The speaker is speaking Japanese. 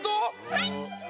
はい！